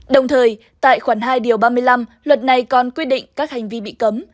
đồng thời tại khoản hai điều ba mươi năm luật này còn quy định các hành vi bị cấm